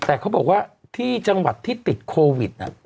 แต่เขาบอกว่าที่จังหวัดที่ติดโควิด